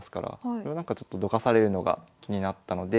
これをなんかちょっとどかされるのが気になったので。